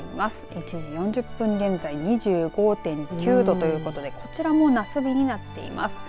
１時４０分現在２５．９度ということでこちらも夏日になっています。